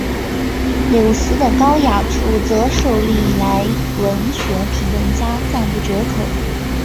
柳词的高雅处则受历来文学评论家赞不绝口。